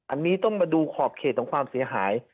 อันนี้ต้องมาดูขอบเขตของความเสียหาย